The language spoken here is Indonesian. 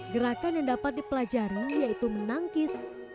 gerakan yang dapat dipelajari yaitu menangkis